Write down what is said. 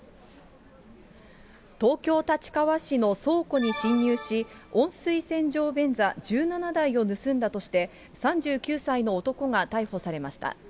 東京・立川市の倉庫に侵入し、温水洗浄便座１７台を盗んだとして、３９歳の男が逮捕されました。